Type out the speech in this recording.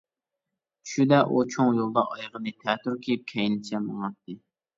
چۈشىدە ئۇ چوڭ يولدا ئايىغىنى تەتۈر كىيىپ، كەينىچە ماڭاتتى.